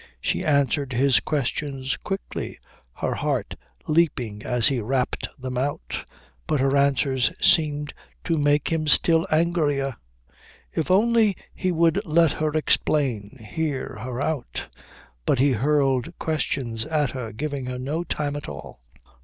She answered his questions quickly, her heart leaping as he rapped them out, but her answers seemed to make him still angrier. If only he would let her explain, hear her out; but he hurled questions at her, giving her no time at all.